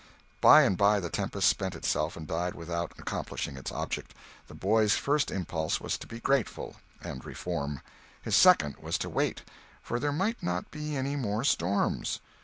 By and by the tempest spent itself and died without accomplishing its object. The boy's first impulse was to be grateful, and reform. His second was to wait—for there might not be any more storms.